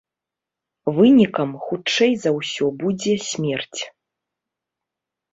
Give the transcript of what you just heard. Вынікам хутчэй за ўсё будзе смерць.